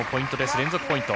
連続ポイント。